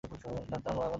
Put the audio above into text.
জানতাম ও এমন করবে।